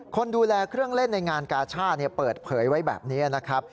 คนดูแลเครื่องเล่นในงานกาชาติเปิดเผยไว้แบบนี้นะครับ